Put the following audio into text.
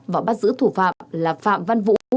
và bắt giữ thủ phạm là phạm văn vũ